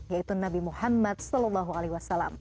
yaitu nabi muhammad saw